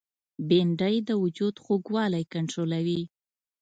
بېنډۍ د وجود خوږوالی کنټرولوي